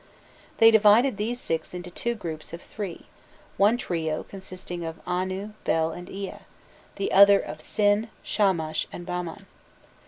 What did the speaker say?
They divided these six into two groups of three, one trio consisting of Anu, Bel, and Ea, the other of Sin, Shamash, and Bamman.